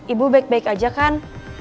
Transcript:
ibu baik baik aja kan